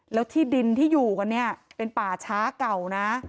แล้วที่ดินที่อยู่กันเนี่ยเป็นป่าช้าเก่านะ